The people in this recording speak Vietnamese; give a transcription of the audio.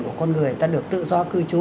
của con người ta được tự do cư trú